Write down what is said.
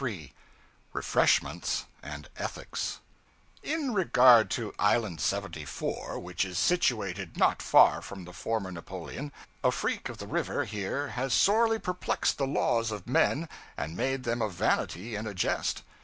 CHAPTER 33 Refreshments and Ethics IN regard to Island 74, which is situated not far from the former Napoleon, a freak of the river here has sorely perplexed the laws of men and made them a vanity and a jest.